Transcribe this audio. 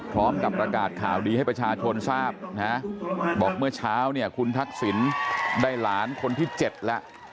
พร้อมกับประกาศข่าวดีให้ประชาชนทราบนะบอกเมื่อเช้าเนี่ยคุณทักษิณได้หลานคนที่๗แล้ว